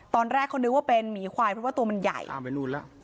ตอนแรกเขานึกว่าเป็นหมีควายเพราะว่าตัวมันใหญ่อืม